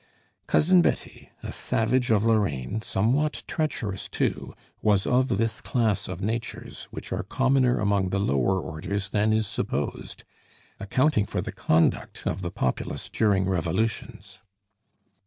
Cousin Betty, a savage of Lorraine, somewhat treacherous too, was of this class of natures, which are commoner among the lower orders than is supposed, accounting for the conduct of the populace during revolutions.